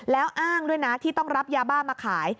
แล้วอ้างด้วยนะที่ต้องรับยาบ้ามาขาย